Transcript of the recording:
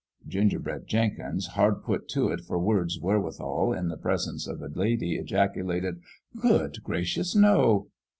Gingerbread Jenkins, hard put to it for words wherewithal in the presence of a lady, ejaculated :" Good gracious, no